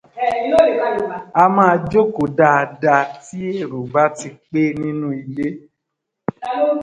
A máa jókòó dáada tí èrò bá ti pé nínú ilé.